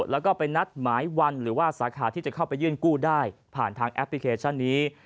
แล้วก็ไปนัดหมายวันหรือว่าสาขาที่จะเข้าไปยื่นกู้ได้ผ่านทางแอปพลิเคชันนี้